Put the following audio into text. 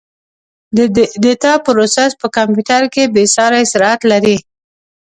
د ډیټا پروسس په کمپیوټر کې بېساري سرعت لري.